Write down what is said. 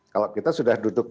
kalau kita sudah duduk